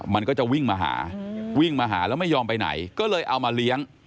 มันก็จะวิ่งมาหาวิ่งมาหาแล้วไม่ยอมไปไหนก็เลยเอามาเลี้ยง